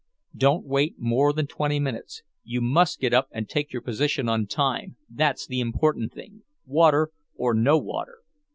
"Don't wait more than twenty minutes. You must get up and take your position on time, that's the important thing, water or no water."